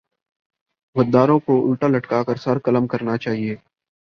غداروں کو الٹا لٹکا کر سر قلم کرنا چاہیۓ